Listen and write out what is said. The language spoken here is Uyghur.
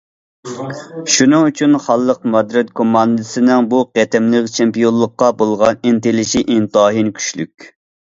شۇنىڭ ئۈچۈن خانلىق مادرىد كوماندىسىنىڭ بۇ قېتىملىق چېمپىيونلۇققا بولغان ئىنتىلىشى ئىنتايىن كۈچلۈك.